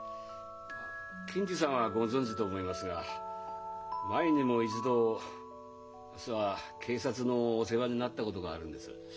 あっ検事さんはご存じと思いますが前にも一度実は警察のお世話になったことがあるんです。